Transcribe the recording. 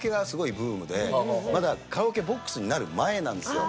まだカラオケボックスになる前なんですよ。